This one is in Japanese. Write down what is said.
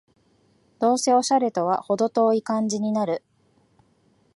どうせオシャレとはほど遠い感じになる